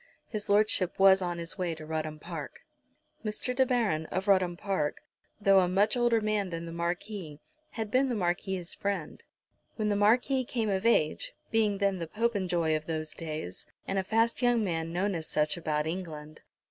His Lordship was on his way to Rudham Park. Mr. De Baron, of Rudham Park, though a much older man than the Marquis, had been the Marquis's friend, when the Marquis came of age, being then the Popenjoy of those days and a fast young man known as such about England.